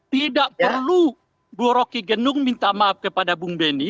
tidak perlu bu rocky genung minta maaf kepada bung benny